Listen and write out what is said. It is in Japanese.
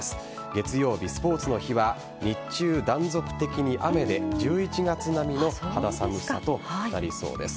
月曜日、スポーツの日は日中、断続的に雨で１１月並みの肌寒さとなりそうです。